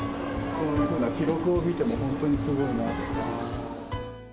こういうふうな記録を見ても、本当にすごいなって。